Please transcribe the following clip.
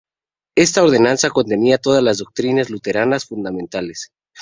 Esta ordenanza contenía todas las doctrinas luteranas fundamentales.